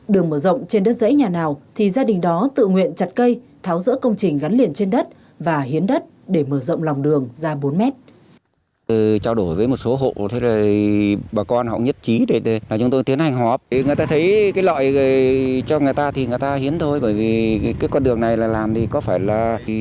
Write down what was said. đường mở rộng trên đất dãy nhà nào thì gia đình đó tự nguyện chặt cây tháo rỡ công trình gắn liền trên đất và hiến đất để mở rộng lòng đường ra bốn mét